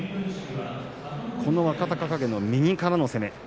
この若隆景の右からの攻め。